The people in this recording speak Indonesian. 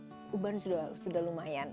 menua itu wajar uban juga sudah lumayan